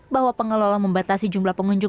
bahwa pengelola membatasi jumlah pengunjung